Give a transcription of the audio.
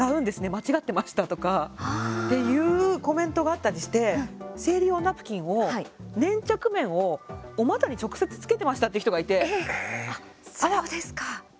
間違ってましたとかっていうコメントがあったりして生理用ナプキンを粘着面をお股に直接つけてましたえっ！